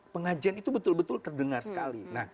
pengajian itu betul betul terdengar sekali